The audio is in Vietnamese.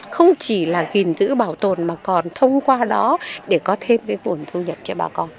không chỉ là gìn giữ bảo tồn mà còn thông qua đó để có thêm cái vốn thu nhập cho bà con